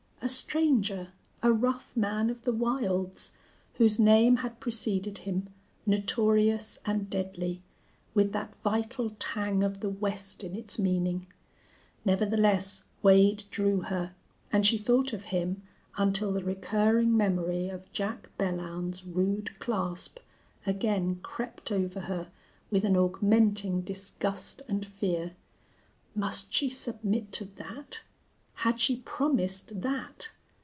A stranger, a rough man of the wilds, whose name had preceded him, notorious and deadly, with that vital tang of the West in its meaning! Nevertheless, Wade drew her, and she thought of him until the recurring memory of Jack Belllounds's rude clasp again crept over her with an augmenting disgust and fear. Must she submit to that? Had she promised that?